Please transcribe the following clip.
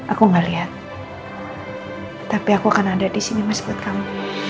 aku nggak lihat tapi aku akan ada di sini masih kamu